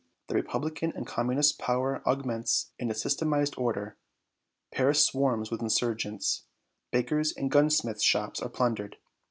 The Republican and Communist power augments in its systematized order. Paris swarms with insurgents. Bakers' and gunsmiths' shops are plundered.